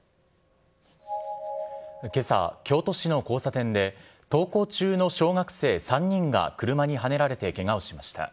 けさ、京都市の交差点で、登校中の小学生３人が車にはねられてけがをしました。